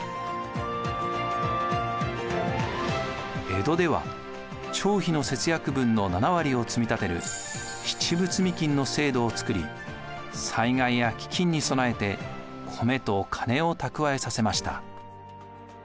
江戸では町費の節約分の７割を積み立てる七分積金の制度を作り災害や飢饉に備えて米と金を蓄えさせました。